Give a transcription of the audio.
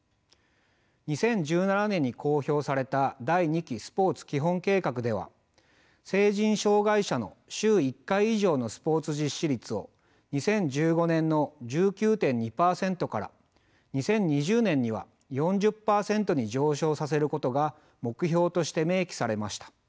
２０１７年に公表された第２期スポーツ基本計画では成人障害者の週１回以上のスポーツ実施率を２０１５年の１９．２％から２０２０年には４０％に上昇させることが目標として明記されました。